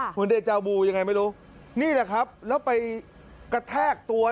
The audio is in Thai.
เหมือนเดจาบูยังไงไม่รู้นี่แหละครับแล้วไปกระแทกตัว